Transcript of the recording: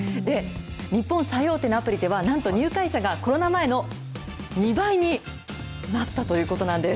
日本最大手のアプリでは、なんと入会者が、コロナ前の２倍になったということなんです。